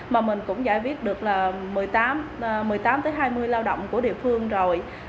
mà mình cũng giải viết được là một mươi tám hai mươi lao động của địa phương rồi